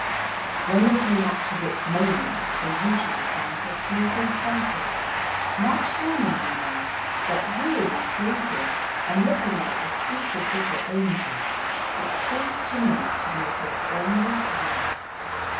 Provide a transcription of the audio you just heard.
When they came up to whip Maimie they usually found her sleeping tranquilly, not shamming, you know, but really sleeping, and looking like the sweetest little angel, which seems to me to make it almost worse.